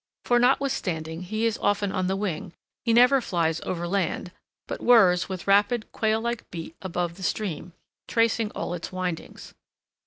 For, notwithstanding he is often on the wing, he never flies overland, but whirs with, rapid, quail like beat above the stream, tracing all its windings.